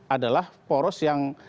adalah poros yang